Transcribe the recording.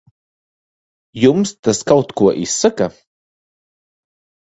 Jums tas kaut ko izsaka?